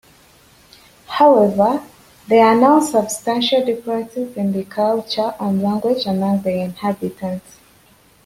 However, there are now substantial differences in culture and language among the inhabitants.